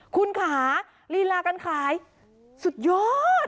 คุณค่ะลีลาการขายสุดยอด